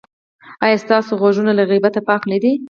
ایا ستاسو غوږونه له غیبت پاک نه دي؟